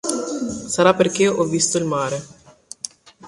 Sarà perché ho visto il mare.